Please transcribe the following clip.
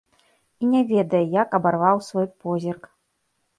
І не ведае, як абарваў свой позірк.